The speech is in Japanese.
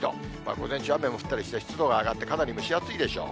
午前中、雨も降ったりして、湿度が上がって、かなり蒸し暑いでしょう。